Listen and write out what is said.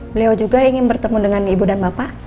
beliau juga ingin bertemu dengan ibu dan bapak